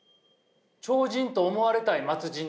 超人と思われたい末人ですよね？